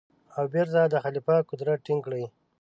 او بېرته د خلیفه قدرت ټینګ کړي.